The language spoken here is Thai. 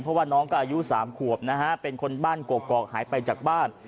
เพราะว่าน้องก็อายุ๓ขวบนะฮะเป็นคนบ้านกกอกหายไปจากบ้าน